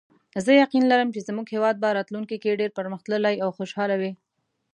زه یقین لرم چې زموږ هیواد به راتلونکي کې ډېر پرمختللی او خوشحاله وي